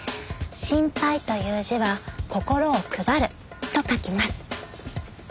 心配という字は「心を配る」と書きます。